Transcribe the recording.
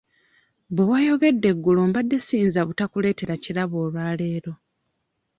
Bwe wayogedde eggulo mbadde siyinza butakuleetera kirabo olwaleero.